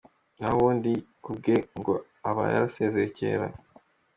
Naho ubundi ku bwe ngo aba yarasezeye kera.